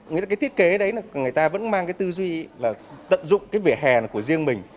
nghĩa là cái thiết kế đấy là người ta vẫn mang cái tư duy là tận dụng cái vỉa hè của riêng mình